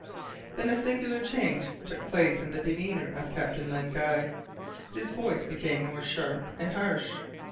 Then a singular change took place in the demeanour of Captain Len Guy. His voice became more sharp and harsh.